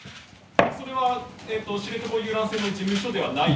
それは知床遊覧船の事務所ではない？